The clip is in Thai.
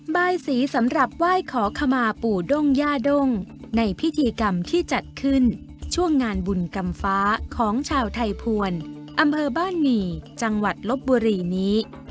บายสีสำหรับไหว้ขอขมาปู่ด้งย่าด้งในพิธีกรรมที่จัดขึ้นช่วงงานบุญกรรมฟ้าของชาวไทยภวรอำเภอบ้านหมี่จังหวัดลบบุรีนี้